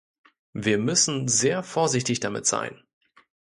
Wir müssen sehr vorsichtig damit sein.